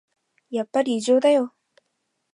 やっぱり異常だよ